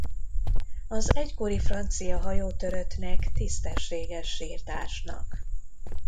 Az egykori francia hajótöröttnek tisztességes sírt ásnak.